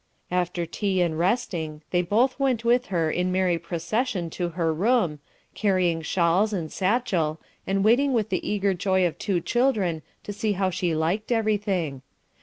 After tea and resting, they both went with her in merry procession to her room, carrying shawls and satchel, and waiting with the eager joy of two children to see how she liked everything.